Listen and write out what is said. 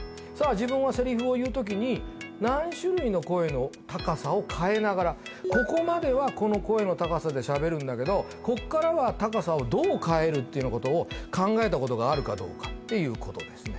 自分はセリフを言う時に何種類の声の高さを変えながらここまではこの声の高さで喋るんだけどここからは高さをどう変える？っていうようなことを考えたことがあるかどうかっていうことですね